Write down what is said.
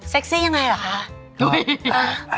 เซ็กซี่ยังไงหรอค่ะ